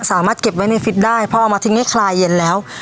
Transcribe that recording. สามารถเก็บไว้ในฟิตได้พอเอามาทิ้งให้คลายเย็นแล้ว